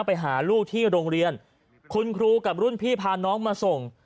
ไปหาลูกที่โรงเรียนคุณครูกับรุ่นพี่พาน้องมาส่ง